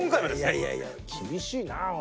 いやいやいや厳しいなおい。